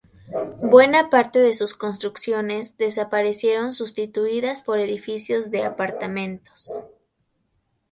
Buena parte de sus construcciones desaparecieron sustituidas por edificios de apartamentos.